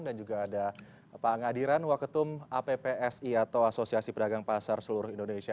dan juga ada pak ngadiran waketum appsi atau asosiasi pedagang pasar seluruh indonesia